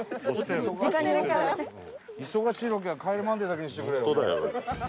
忙しいロケは『帰れマンデー』だけにしてくれよ。